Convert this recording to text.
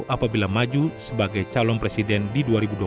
apabila maju sebagai calon presiden di dua ribu dua puluh